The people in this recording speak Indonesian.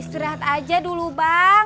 istirahat aja dulu bang